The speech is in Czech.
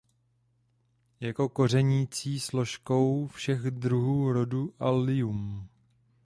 Jsou kořenící složkou všech druhů rodu allium.